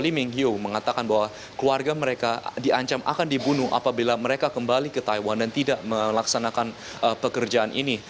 liming hyu mengatakan bahwa keluarga mereka diancam akan dibunuh apabila mereka kembali ke taiwan dan tidak melaksanakan pekerjaan ini